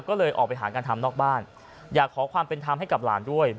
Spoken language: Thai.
ก็เลยออกไปหางานทำนอกบ้านอยากขอความเป็นธรรมให้กับหลานด้วย